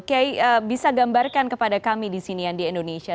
kiai bisa gambarkan kepada kami di sini yang di indonesia